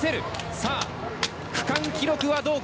さあ、区間記録はどうか。